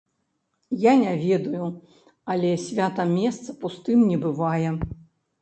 Я не ведаю, але свята месца пустым не бывае.